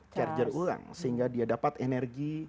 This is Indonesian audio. charger ulang sehingga dia dapat energi